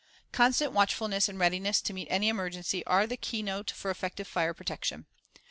Constant watchfulness and readiness to meet any emergency are the keynote of effective fire protection.